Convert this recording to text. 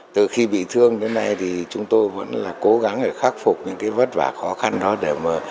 từ khi bị thương đến nay thì chúng tôi vẫn là cố gắng để khắc phục những cái vất vả khó khăn đó để mà